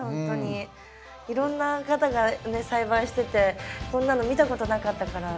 いろんな方がね栽培しててこんなの見たことなかったから。